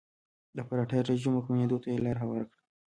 د اپارټاید رژیم واکمنېدو ته یې لار هواره کړه.